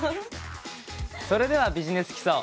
それでは「ビジネス基礎」。